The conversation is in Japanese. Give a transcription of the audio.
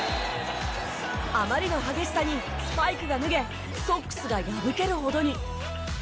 あまりの激しさにスパイクが脱げソックスが破けるほどに。